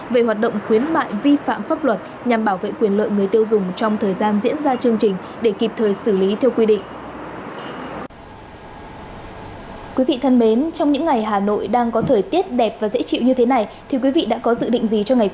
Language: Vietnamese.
về hoạt động khuyến mại vi phạm pháp luật nhằm bảo vệ quyền lợi người tiêu dùng